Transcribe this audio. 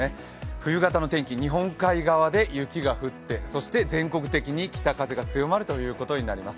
冬型の天気、日本海側で雪が降ってそして全国的に北風が強まるということになります。